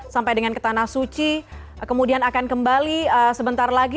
sampai dengan ke tanah suci kemudian akan kembali sebentar lagi